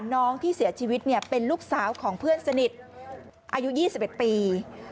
น้องที่เสียชีวิตเป็นลูกสาวของเพื่อนสนิทอายุ๒๑ปี